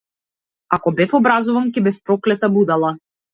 Ако бев образован, ќе бев проклета будала.